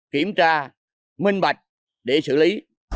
kiểm tra minh bạch để xử lý